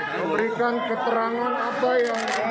memberikan keterangan apa yang